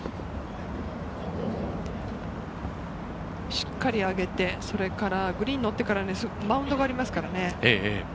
しっかり上げて、それからグリーンにのってから、マウンドがありますからね。